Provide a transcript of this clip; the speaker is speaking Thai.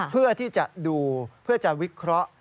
เพื่อที่จะดูเพื่อจะวิเคราะห์